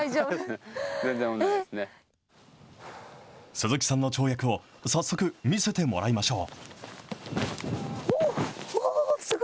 鈴木さんの跳躍を、早速見せてもらいましょう。